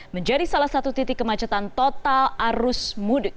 menjadi salah satu titik kemacetan total arus mudik